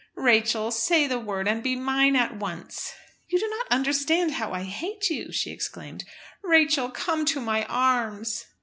"Rachel, say the word, and be mine at once." "You do not understand how I hate you!" she exclaimed. "Rachel, come to my arms!"